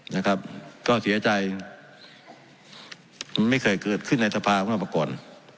นะครับก็เสียใจมันไม่เคยเกิดขึ้นในทภาพของนักประกวัล